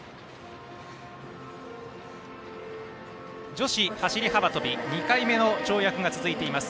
女子走り幅跳び２回目の跳躍が続いています。